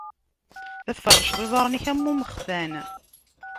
La tfeṛṛceḍ iḍaṛṛen-ik am umextan.